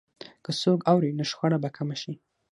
که څوک اوري، نو شخړه به کمه شي.